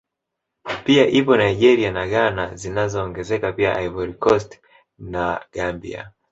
Pia ipo Nigeria na Ghana zinaongezeka pia Ivory Cost na Gambia